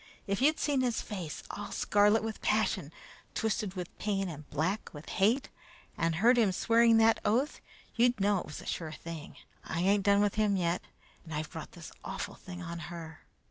If you'd seen his face, all scarlet with passion, twisted with pain, and black with hate, and heard him swearing that oath, you'd know it was a sure thing. I ain't done with him yet, and I've brought this awful thing on her."